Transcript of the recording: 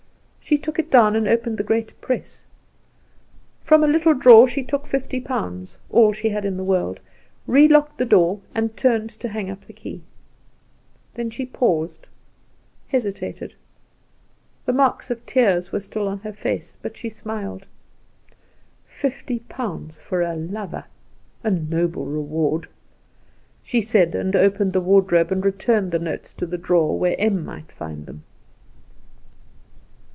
She took it down and opened the great press. From a little drawer she took fifty pounds (all she had in the world), relocked the door, and turned to hang up the key. The marks of tears were still on her face, but she smiled. Then she paused, hesitated. "Fifty pounds for a lover! A noble reward!" she said, and opened the wardrobe and returned the notes to the drawer, where Em might find them.